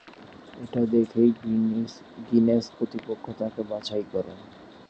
এটা দেখেই গিনেস কর্তৃপক্ষ তাকে বাছাই করেন।